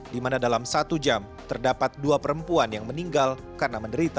di mana dalam satu jam terdapat dua perempuan yang meninggal karena menderita